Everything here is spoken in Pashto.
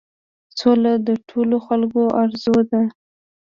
سوله د ټولو خلکو آرزو ده.